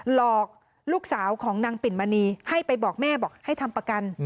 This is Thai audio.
หลอกลูกสาวของนางปิ่นมณีให้ไปบอกแม่บอกให้ทำประกัน